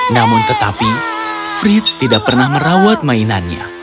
namun tetapi frits tidak pernah merawat mainannya